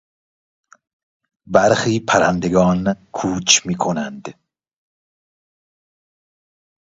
برخی پرندگان کوچ میکنند.